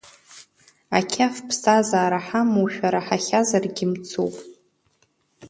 Ақьаф ԥсҭазара ҳамоушәа раҳахьазаргьы мцуп!